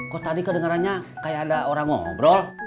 kok tadi kedengerannya kayak ada orang ngobrol